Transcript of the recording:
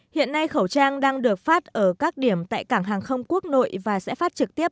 hiện nay khẩu trang đang được phát ở các điểm tại cảng hàng không quốc nội và sẽ phát trực tiếp